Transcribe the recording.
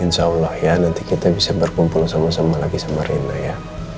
insya allah ya nanti kita bisa berkumpul sama sama lagi sama rena ya